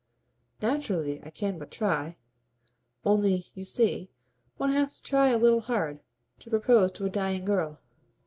"Naturally I can but try. Only, you see, one has to try a little hard to propose to a dying girl."